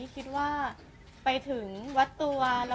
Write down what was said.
ขอบคุณครับ